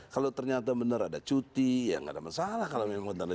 kalau ternyata benar ada cuti ya nggak ada masalah kalau memang